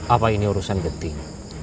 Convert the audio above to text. apa ini urusan genting